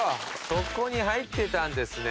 そこに入ってたんですね。